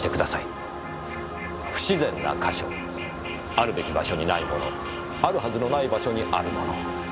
不自然な個所あるべき場所にない物あるはずない場所にある物。